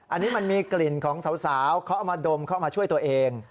อันนี้มันมีกลิ่นของสาวเขาเอามาดมเข้ามาช่วยตัวเอง